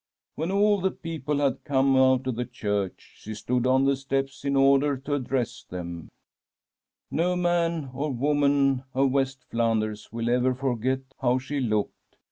When all the people had The Empresses MONEY CHEST come out of the church, she stood on the steps in order to address them. *" No man or woman of West Flanders will ever forget how she looked.